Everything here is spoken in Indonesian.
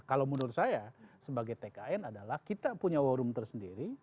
kalau menurut saya sebagai tkn adalah kita punya war room tersendiri